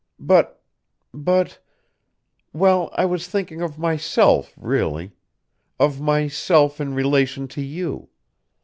But but well, I was thinking of myself, really; of myself in relation to you.